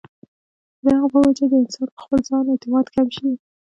د هغې پۀ وجه د انسان پۀ خپل ځان اعتماد کم شي